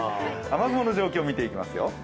雨雲の状況見ていきますよ。